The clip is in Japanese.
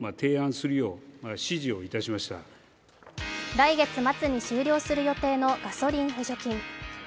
来月末に終了する予定のガソリン補助金。